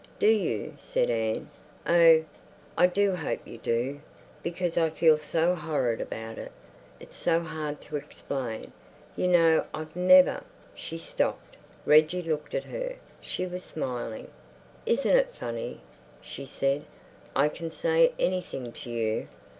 "Do you?" said Anne. "Oh, I do hope you do. Because I feel so horrid about it. It's so hard to explain. You know I've never—" She stopped. Reggie looked at her. She was smiling. "Isn't it funny?" she said. "I can say anything to you.